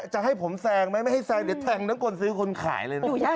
จะให้ผมแซงไหมไม่ให้แซงเดี๋ยวแทงทั้งคนซื้อคนขายเลยนะ